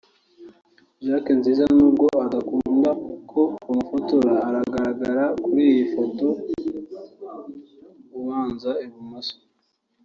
(Jack Nziza n’ubwo adakunda ko bamufotora aragaragara kuri iyi foto (ubanza i bumoso)